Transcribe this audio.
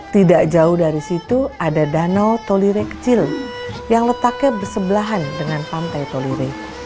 tidak jauh dari situ ada danau tolire kecil yang letaknya bersebelahan dengan pantai toliri